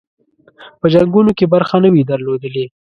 په جنګونو کې برخه نه وي درلودلې.